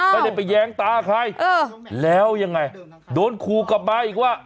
ไม่ได้ไปแย้งตาใครแล้วยังไงโดนคู่กลับมาอีกว่า